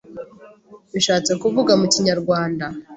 bishatse kuvuga mu kinyarwanda